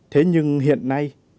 thế nhưng hiện nay